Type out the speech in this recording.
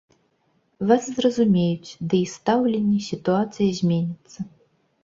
Вас зразумеюць, ды і стаўленне, сітуацыя зменіцца.